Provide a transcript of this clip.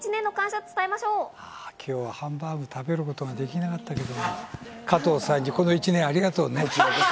今日はハンバーグ食べることができなかったけれども、加藤さんにこの１年、ありがとうね。